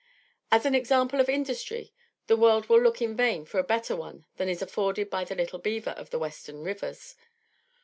As an example of industry the world will look in vain for a better one than is afforded by the little beaver of the Western Rivers.